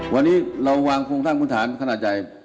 วันนี้เราวางโครงการขนส่งขนาดใหญ่